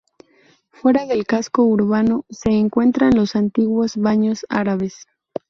Fuera del casco urbano se encuentran los antiguos baños árabes.